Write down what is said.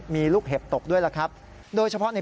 มีลูกเห็บตกด้วยละครับ